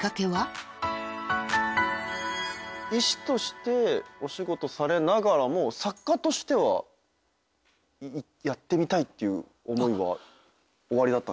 医師としてお仕事されながらも作家としてはやってみたいっていう思いはおありだったんですか？